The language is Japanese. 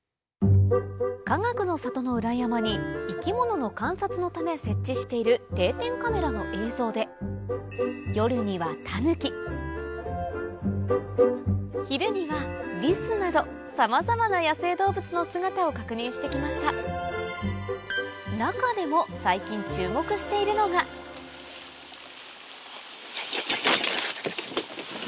かがくの里の裏山に生き物の観察のため設置している定点カメラの映像で夜には昼にはリスなどさまざまな野生動物の姿を確認して来ました中でも最近注目しているのが・いたいた！